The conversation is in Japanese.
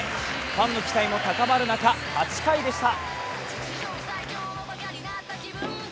ファンの期待も高まる中、８回でした。